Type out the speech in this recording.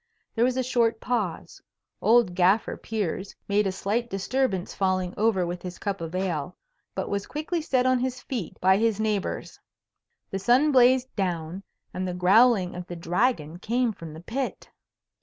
There was a short pause. Old Gaffer Piers made a slight disturbance falling over with his cup of ale, but was quickly set on his feet by his neighbours. The sun blazed down, and the growling of the Dragon came from the pit.